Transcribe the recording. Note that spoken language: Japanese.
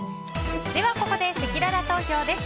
ここで、せきらら投票です。